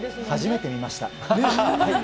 初めて見ました。